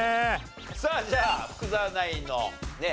さあじゃあ福澤ナインのね